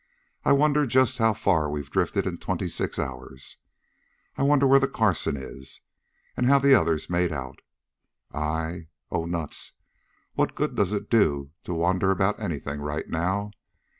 I wonder just how far we've drifted in twenty six hours? I wonder where the Carson is? And how the others made out? I Oh, nuts! What good does it do to wonder about anything right now?